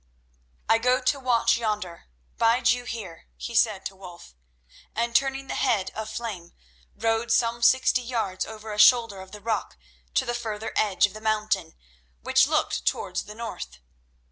"I go to watch yonder; bide you here," he said to Wulf, and, turning the head of Flame, rode some sixty yards over a shoulder of the rock to the further edge of the mountain which looked towards the north.